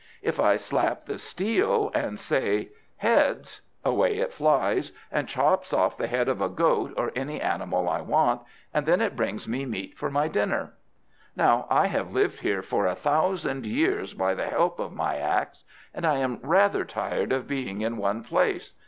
If I slap the steel, and say, Heads! away it flies, and chops off the head of a goat or any animal I want; and then it brings me meat for my dinner. Now I have lived here for a thousand years by the help of my axe, and I am rather tired of being in one place.